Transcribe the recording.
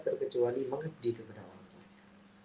terkecuali mengabdi kepada orang lain